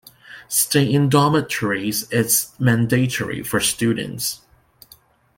Stay in dormitories is mandatory for students.